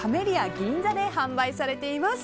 銀座で販売されています。